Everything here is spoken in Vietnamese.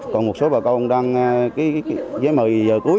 còn một số bà con đang với một mươi giờ cuối